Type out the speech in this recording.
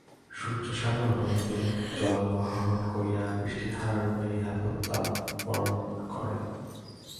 সূর্য সাগর হইতে জল আহরণ করিয়া বৃষ্টিধারারূপে উহা প্রত্যর্পণ করে।